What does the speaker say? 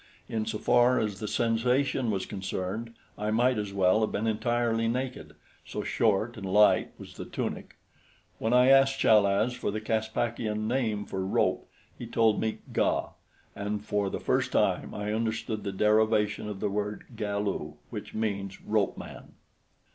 In so far as the sensation was concerned, I might as well have been entirely naked, so short and light was the tunic. When I asked Chal az for the Caspakian name for rope, he told me ga, and for the first time I understood the derivation of the word Galu, which means ropeman.